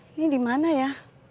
ini di mana ya